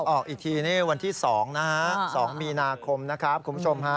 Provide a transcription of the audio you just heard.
ออกอีกทีนี่วันที่๒นะฮะ๒มีนาคมนะครับคุณผู้ชมฮะ